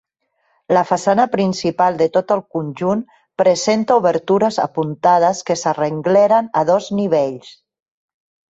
La façana principal de tot el conjunt presenta obertures apuntades que s'arrengleren a dos nivells.